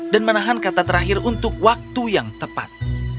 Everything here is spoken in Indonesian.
dan menahan kata terakhir untuk waktu yang tepat